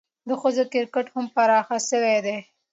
د ښځو کرکټ هم پراخه سوی دئ.